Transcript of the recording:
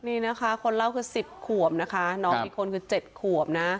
นี่นะคะคนเล่าคือ๑๐ขวบนะคะน้องอีกคนคือ๗ขวบนะ